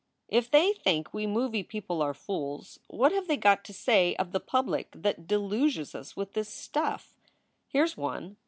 "If they think we movie people are fools, what have they got to say of the public that deluges us with this stuff? Here s one.